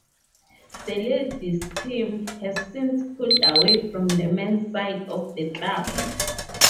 The ladies' team has since pulled away from the men's side of the club.